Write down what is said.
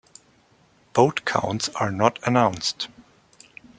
Vote counts are not announced.